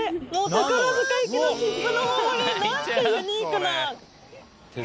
宝塚行きの切符のお守り！なんてユニークな。